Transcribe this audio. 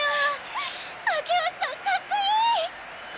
明星さんかっこいい！